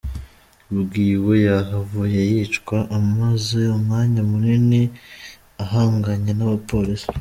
Ubwiwe yahavuye yicwa, amaze umwanya munini ahanganye n'abapolisi.